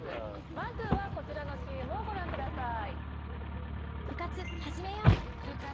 まずはこちらのＣＭをご覧ください。